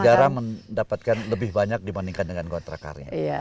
dan negara mendapatkan lebih banyak dibandingkan dengan kontrak karya